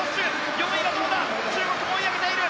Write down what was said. ４位はどうだ中国も追い上げている。